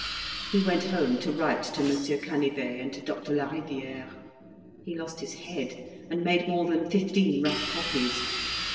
He went home to write to Monsieur Canivet and to Doctor Lariviere. He lost his head, and made more than fifteen rough copies.